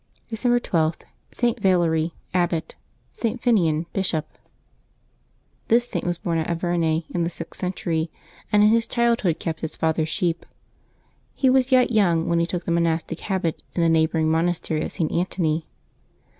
December 12.— ST. VALERY, Abbot.—ST. FINIAN, Bishop. GHis Saint was born at Auvergne, iji the sixth century, and in his childhood kept his father's sheep. He was yet young when he took the monastic habit in the neighboring monastery of St. Antony.